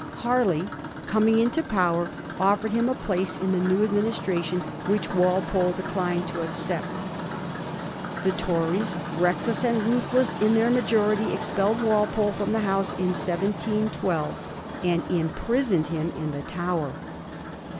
Harley coming into power offered him a place in the new administration, which Walpole declined to accept. The Tories, reckless and ruthless in their majority, expelled Walpole from the House in 1712 and imprisoned him in the Tower.